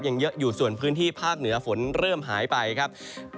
เยอะอยู่ส่วนพื้นที่ภาคเหนือฝนเริ่มหายไปครับ